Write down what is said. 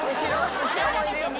後ろもいるよ